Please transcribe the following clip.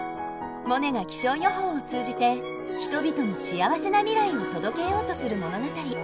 モネが気象予報を通じて人々に幸せな未来を届けようとする物語。